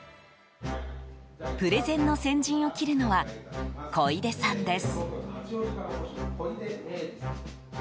プレゼンの先陣を切るのは小出さんです。